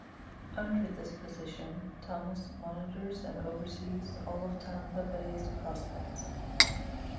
Under this position, Thomas monitors and oversees all of Tampa Bay's prospects.